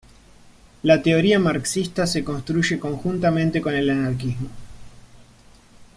La teoría marxista se construye conjuntamente con el anarquismo.